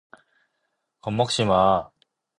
겁먹지 마.